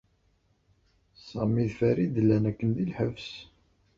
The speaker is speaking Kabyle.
Sami d Farid llan akken di lḥebs.